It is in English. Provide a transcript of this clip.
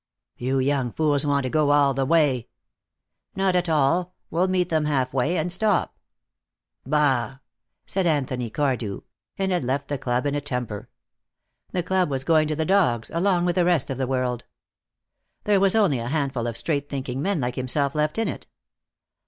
"You young fools want to go all the way." "Not at all. We'll meet them half way, and stop." "Bah!" said Anthony Cardew, and had left the club in a temper. The club was going to the dogs, along with the rest of the world. There was only a handful of straight thinking men like himself left in it.